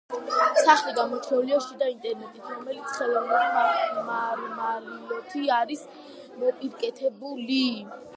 სახლი გამორჩეულია შიდა ინტერიერით, რომელიც ხელოვნური მარმარილოთი არის მოპირკეთებული.